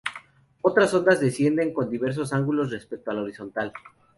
Otras ondas descienden con diversos ángulos respecto a la horizontal.